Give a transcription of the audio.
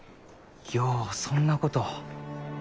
ようそんなこと。